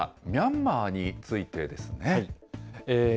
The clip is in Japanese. きょうはミャンマーについてですね。